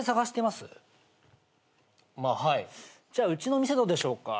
じゃあうちの店どうでしょうか？